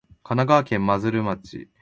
神奈川県真鶴町